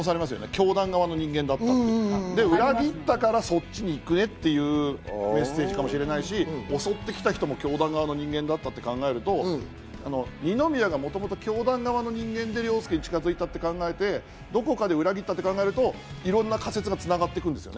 教団の人間、裏切ったからそっちに行くねっていうメッセージかもしれないし、襲ってきた人も教団側の人間だったと考えると、二宮がもともと教団側の人間で凌介に近づいたと考えて、どこかで裏切ったと考えると、いろんな仮説が繋がってくる。